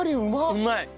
うまい！